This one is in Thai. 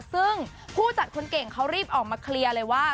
ซึ่งผู้จัดคนเก่งเขารีบออกมาเคลียร์เลยว่า